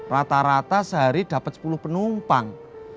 rata rata sehari dapat sepuluh penumpang